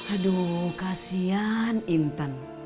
aduh kasian intan